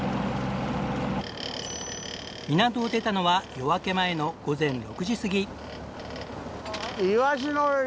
港を出たのは夜明け前の午前６時過ぎ。